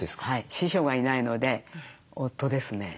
師匠がいないので夫ですね。